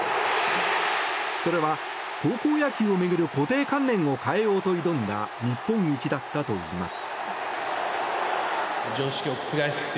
それは高校野球を巡る固定観念を変えようと挑んだ日本一だったといいます。